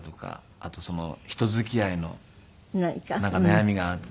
あと人付き合いの悩みがあって。